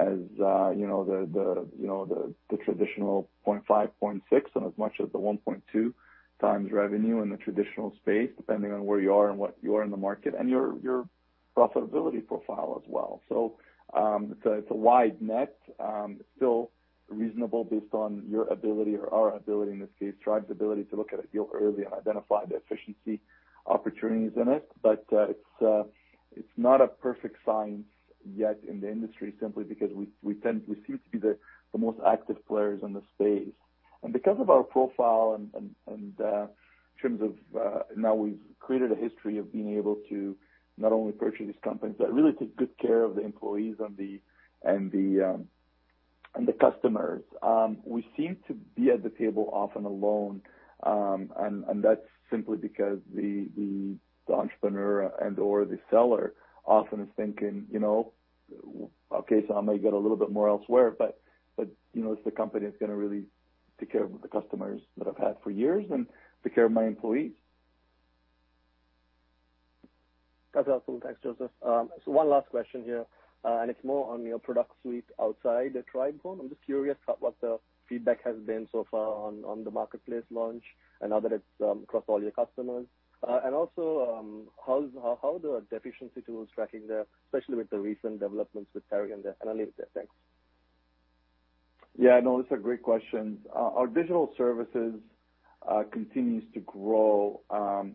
as, you know, the, you know, the traditional 0.5, 0.6 and as much as the 1.2x revenue in the traditional space, depending on where you are and what you are in the market and your profitability profile as well. It's a wide net, still reasonable based on your ability or our ability in this case, Tribe's ability to look at a deal early and identify the efficiency opportunities in it. It's not a perfect science yet in the industry simply because we seem to be the most active players in the space. Because of our profile and in terms of now we've created a history of being able to not only purchase these companies but really take good care of the employees and the customers. We seem to be at the table often alone, and that's simply because the entrepreneur and or the seller often is thinking, you know, okay, so I may get a little bit more elsewhere, but, you know, it's the company that's gonna really take care of the customers that I've had for years and take care of my employees. That's awesome. Thanks, Joseph. 1 last question here, and it's more on your product suite outside of Tribe Home. I'm just curious about what the feedback has been so far on the marketplace launch and now that it's across all your customers. Also, how do our efficiency tools tracking there, especially with the recent developments with Tarion and Analytics. Thanks. Yeah, no, that's a great question. Our digital services continues to grow.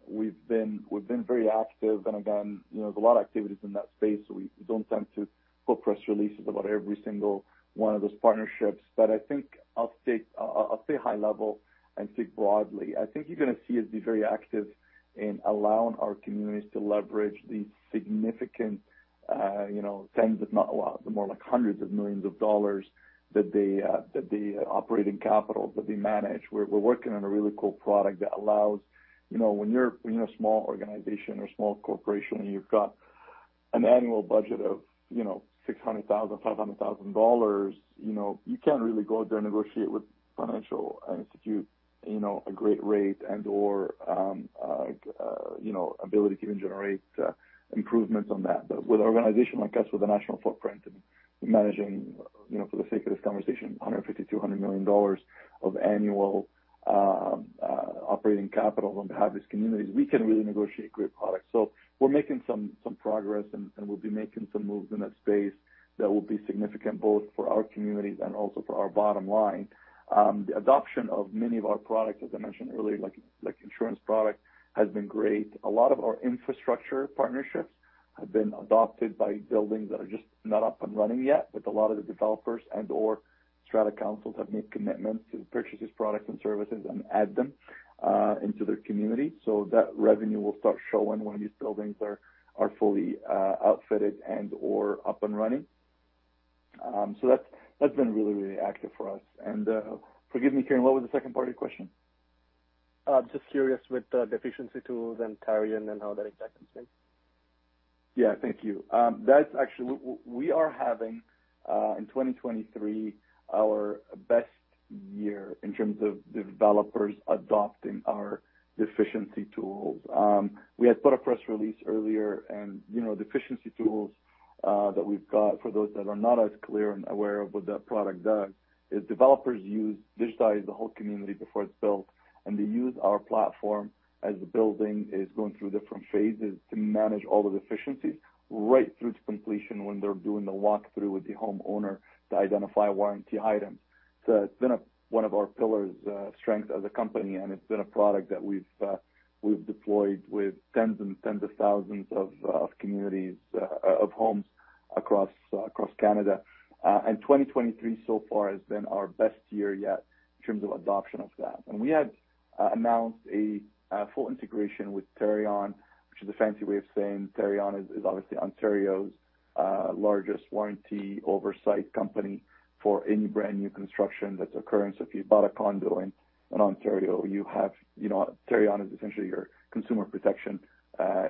We've been very active, and again, you know, there's a lot of activities in that space so we don't tend to put press releases about every single one of those partnerships. I think I'll state high level and speak broadly. I think you're gonna see us be very active in allowing our communities to leverage the significant, you know, tens, if not a lot, more like hundreds of millions of CAD that the, that the operating capital that we manage. We're working on a really cool product that allows, you know, when you're a small organization or small corporation and you've got an annual budget of, you know, $600,000, $500,000, you know, you can't really go out there and negotiate with financial institution, you know, a great rate and/or, you know, ability to even generate improvements on that. With an organization like us with a national footprint and managing, you know, for the sake of this conversation, 150 million-200 million dollars of annual operating capital on behalf of these communities, we can really negotiate great products. We're making some progress and we'll be making some moves in that space that will be significant both for our communities and also for our bottom line. The adoption of many of our products, as I mentioned earlier, like insurance product, has been great. A lot of our infrastructure partnerships have been adopted by buildings that are just not up and running yet, but a lot of the developers and/or strata councils have made commitments to purchase these products and services and add them into their community. That revenue will start showing when these buildings are fully outfitted and or up and running. That's been really active for us. Forgive me, Kieran, what was the second part of your question? Just curious with the efficiency tools and Tarion and how that exacts things? Yeah, thank you. Actually, we are having in 2023, our best year in terms of developers adopting our efficiency tools. We had put a press release earlier, you know, the efficiency tools that we've got for those that are not as clear and aware of what that product does, is developers digitize the whole community before it's built, and they use our platform as the building is going through different phases to manage all of the efficiencies right through to completion when they're doing the walk-through with the homeowner to identify warranty items. It's been one of our pillars, strength as a company, it's been a product that we've deployed with 10's of thousands of communities of homes across Canada. 2023 so far has been our best year yet in terms of adoption of that. We had announced a full integration with Tarion, which is a fancy way of saying Tarion is obviously Ontario's largest warranty oversight company for any brand-new construction that's occurring. If you bought a condo in Ontario, you know, Tarion is essentially your consumer protection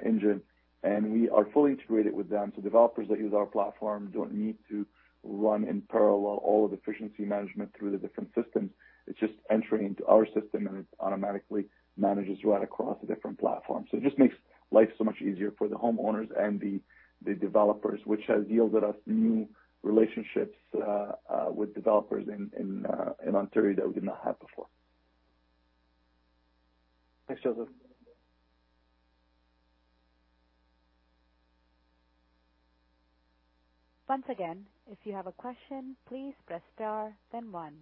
engine. We are fully integrated with them. Developers that use our platform don't need to run in parallel all of the efficiency management through the different systems. It's just entering into our system, and it automatically manages right across the different platforms. It just makes life so much easier for the homeowners and the developers, which has yielded us new relationships with developers in Ontario that we did not have before. Thanks, Joseph. Once again, if you have a question, please press Star then 1.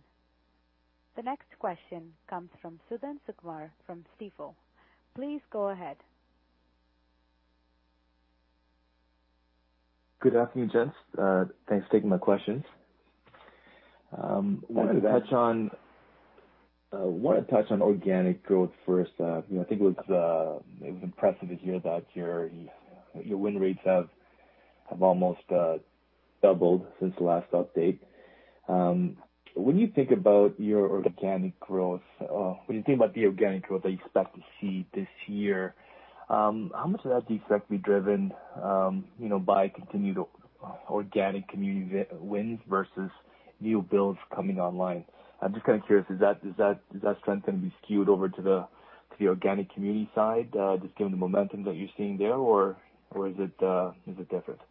The next question comes from Suthan Sukumar from Stifel. Please go ahead. Good afternoon, gents. Thanks for taking my questions. wanted to touch on organic growth first. you know, I think it was impressive to hear that your win rates have almost doubled since the last update. When you think about your organic growth, when you think about the organic growth that you expect to see this year, how much of that do you expect to be driven, you know, by continued organic community wins versus new builds coming online? I'm just kinda curious, is that strength gonna be skewed over to the organic community side, just given the momentum that you're seeing there, or is it different?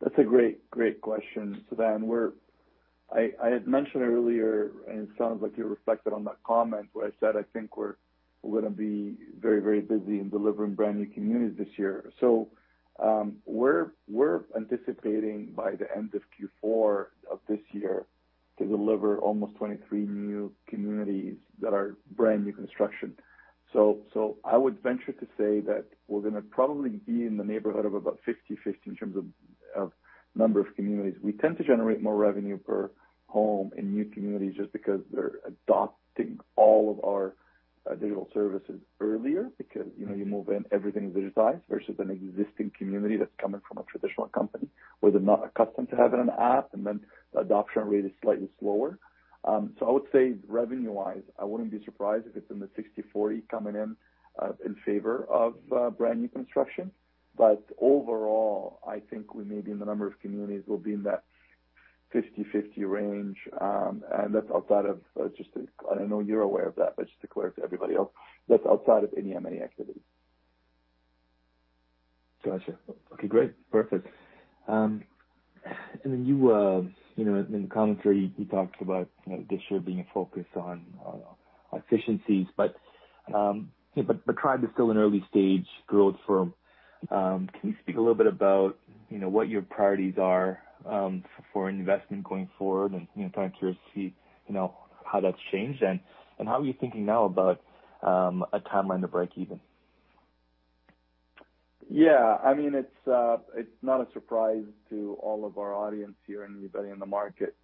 That's a great question, Suthan. I had mentioned earlier, and it sounds like you reflected on that comment where I said I think we're gonna be very, very busy in delivering brand-new communities this year. We're anticipating by the end of Q4 of this year to deliver almost 23 new communities that are brand-new construction. I would venture to say that we're gonna probably be in the neighborhood of about 50/50 in terms of number of communities. We tend to generate more revenue per home in new communities just because they're adopting all of our digital services earlier because, you know, you move in, everything is digitized versus an existing community that's coming from a traditional company where they're not accustomed to having an app, and then the adoption rate is slightly slower. I would say revenue-wise, I wouldn't be surprised if it's in the 60/40 coming in favor of brand new construction. Overall, I think we may be in the number of communities will be in that 50/50 range. I don't know you're aware of that, but just to clear it to everybody else, that's outside of any M&A activity. Gotcha. Okay, great. Perfect. Then you know, in the commentary, you talked about, you know, this year being a focus on efficiencies, but Tribe is still an early-stage growth firm. Can you speak a little bit about, you know, what your priorities are for investment going forward? You know, kinda curious to see, you know, how that's changed and how are you thinking now about a timeline to breakeven? Yeah. I mean, it's not a surprise to all of our audience here and anybody in the market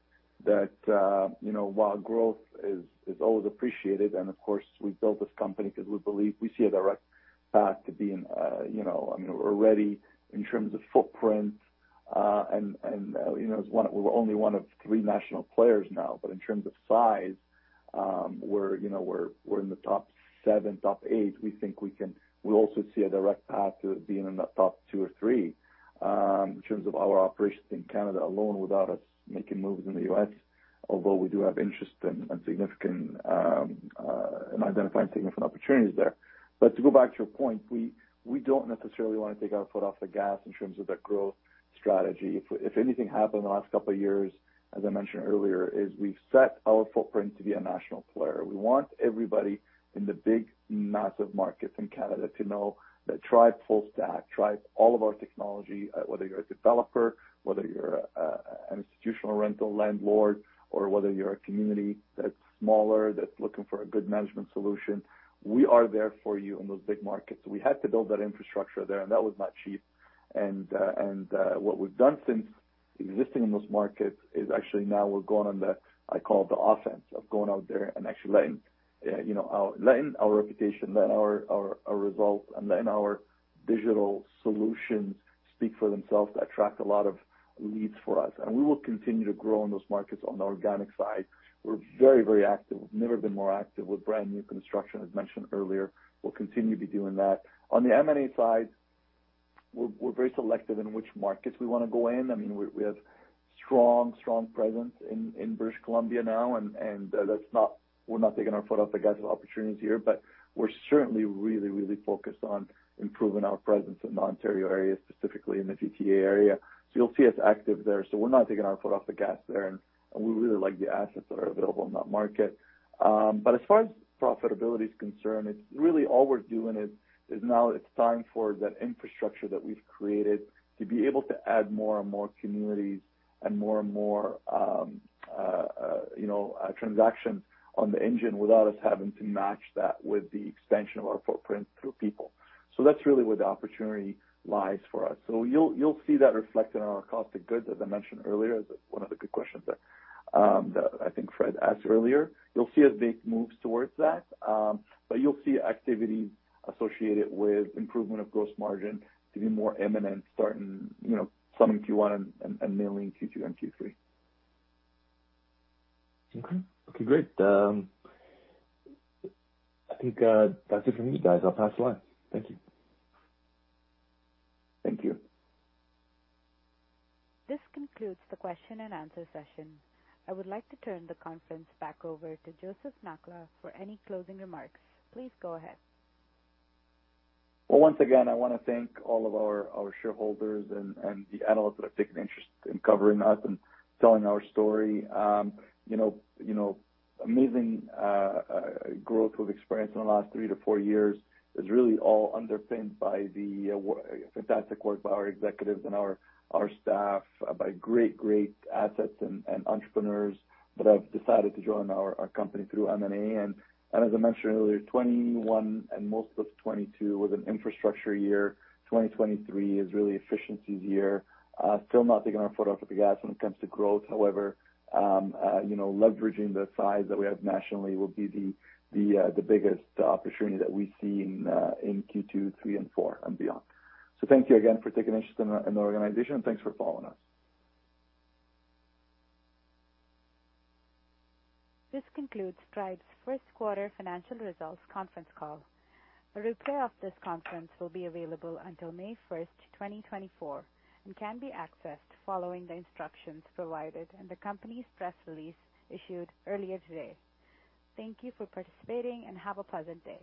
that, you know, while growth is always appreciated, and of course, we built this company because we believe we see a direct path to being, you know, I mean, we're ready in terms of footprint, and, you know, we're only 1 of 3 national players now. In terms of size, we're, you know, we're in the top 7, top 8. We also see a direct path to being in that top 2 or 3, in terms of our operations in Canada alone without us making moves in the U.S., although we do have interest in and significant, in identifying significant opportunities there. To go back to your point, we don't necessarily wanna take our foot off the gas in terms of the growth strategy. If anything happened in the last couple of years, as I mentioned earlier, is we've set our footprint to be a national player. We want everybody in the big massive markets in Canada to know that Tribe full stack, Tribe all of our technology, whether you're a developer, whether you're an institutional rental landlord, or whether you're a community that's smaller, that's looking for a good management solution, we are there for you in those big markets. We had to build that infrastructure there, and that was not cheap. What we've done since existing in those markets is actually now we're going on the, I call it the offense of going out there and actually letting, you know, letting our reputation, letting our results and letting our digital solutions speak for themselves to attract a lot of leads for us. We will continue to grow in those markets on the organic side. We're very active. We've never been more active with brand-new construction, as mentioned earlier. We'll continue to be doing that. On the M&A side, we're very selective in which markets we wanna go in. I mean, we have strong presence in British Columbia now, and we're not taking our foot off the gas of opportunities here, but we're certainly really focused on improving our presence in the Ontario area, specifically in the GTA area. You'll see us active there. We're not taking our foot off the gas there, and we really like the assets that are available in that market. As far as profitability is concerned, it's really all we're doing is now it's time for that infrastructure that we've created to be able to add more and more communities and more and more, you know, transactions on the engine without us having to match that with the expansion of our footprint through people. That's really where the opportunity lies for us. You'll see that reflected on our cost of goods, as I mentioned earlier. That's one of the good questions that I think Fred asked earlier. You'll see us make moves towards that, but you'll see activities associated with improvement of gross margin to be more eminent starting, you know, some in Q1 and mainly in Q2 and Q3. Okay. Okay, great. I think that's it for me, guys. I'll pass the line. Thank you. Thank you. This concludes the question and answer session. I would like to turn the conference back over to Joseph Nakhla for any closing remarks. Please go ahead. Well, once again, I wanna thank all of our shareholders and the analysts that have taken interest in covering us and telling our story. you know, amazing growth we've experienced in the last 3 to 4 years is really all underpinned by the fantastic work by our executives and our staff, by great assets and entrepreneurs that have decided to join our company through M&A. As I mentioned earlier, 21 and most of 22 was an infrastructure year. 2023 is really efficiencies year. Still not taking our foot off the gas when it comes to growth. However, you know, leveraging the size that we have nationally will be the biggest opportunity that we see in Q2, 3 and 4, and beyond. Thank you again for taking an interest in our, in our organization. Thanks for following us. This concludes Tribe's Q1 financial results conference call. A replay of this conference will be available until May 1st, 2024, and can be accessed following the instructions provided in the company's press release issued earlier today. Thank you for participating, and have a pleasant day.